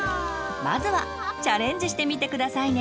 まずはチャレンジしてみて下さいね。